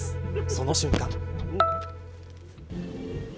その瞬間。